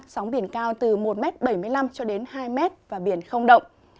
sóng biển cao từ một bảy mươi năm cho đến hai m và biển không động